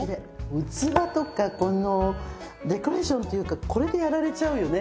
器とかこのデコレーションっていうかこれでやられちゃうよね